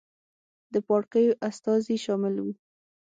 د پاړکیو استازي شامل وو.